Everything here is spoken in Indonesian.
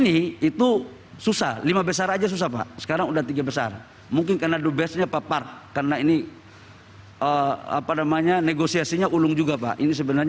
khususnya keperluan ekonomi dan teknologi